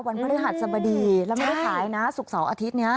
พฤหัสสบดีแล้วไม่ได้ขายนะศุกร์เสาร์อาทิตย์นี้